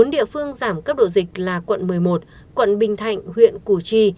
bốn địa phương giảm cấp độ dịch là quận một mươi một quận bình thạnh huyện củ chi